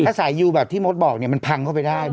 ถ้าสายยูแบบที่มดบอกเนี่ยมันพังเข้าไปได้